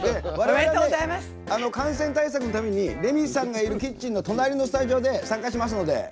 我々、感染対策のためにレミさんがいるキッチンの隣のスタジオで参加しますので。